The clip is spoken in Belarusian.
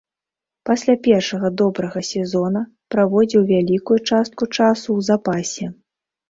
Пасля першага добрага сезона праводзіў вялікую частку часу ў запасе.